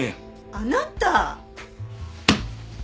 あなた！